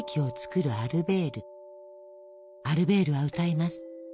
アルベールは歌います。